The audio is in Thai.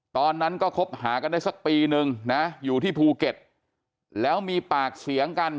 ตอนนั้นก็คบหากันได้สักปีนึงนะอยู่ที่ภูเก็ตแล้วมีปากเสียงกัน